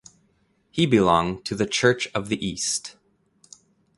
He belonged to the Church of the East.